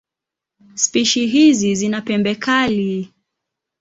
Spishi hizi zina pembe kali.